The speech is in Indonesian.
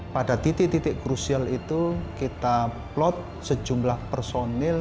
pada titik titik krusial itu kita plot sejumlah personil